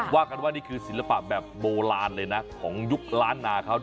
ว่ากันว่านี่คือศิลปะแบบโบราณเลยนะของยุคล้านนาเขา